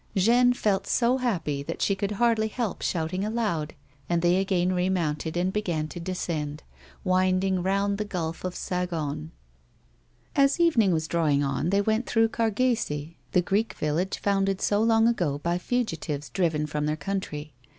Jeainie felt so happj that she coidd hardly help shouting aloud ; and they again remounted and began to descend, winding round the gulf of Sagone. As evening was drawing on they went through Cargese, the Greek village founded so long ago by fugitives driven from their country.